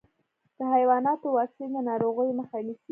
د حیواناتو واکسین د ناروغیو مخه نيسي.